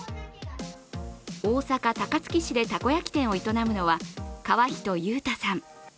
大阪・高槻市でたこ焼き店を営むのは川人佑太さん。